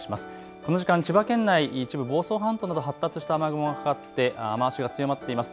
この時間、千葉県内、一部房総半島など発達した雨雲がかかって雨足が強まっています。